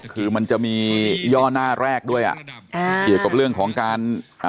คือมันจะมีย่อหน้าแรกด้วยอ่ะอ่าเกี่ยวกับเรื่องของการอ่า